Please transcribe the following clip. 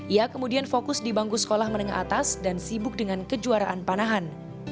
ia kemudian fokus di bangku sekolah menengah atas dan sibuk dengan kejuaraan panahan